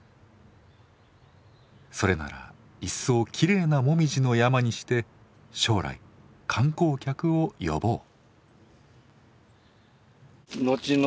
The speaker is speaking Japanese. それならいっそきれいなもみじの山にして将来観光客を呼ぼう。